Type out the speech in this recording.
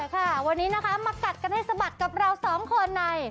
ค่ะวันนี้นะคะมากัดกันให้สะบัดกับเราสองคนใน